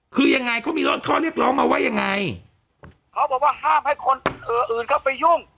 คือยังไงเขามีข้อเรียกร้องมาว่ายังไงเขาบอกว่าห้ามให้คนอื่นเข้าไปยุ่ง